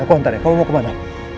aku hantar ya kamu mau kemana